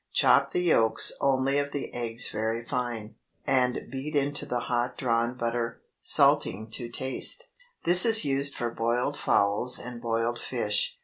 Chop the yolks only of the eggs very fine, and beat into the hot drawn butter, salting to taste. This is used for boiled fowls and boiled fish.